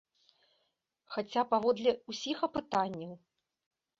Хаця паводле ўсіх апытанняў?